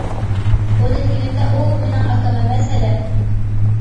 بۇنى دېگىنىمدە، ئۇ:-ئۇ مېنىڭ ئاكام ئەمەس، ھەدەم.